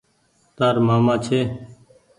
تآر مآمآ ڇي۔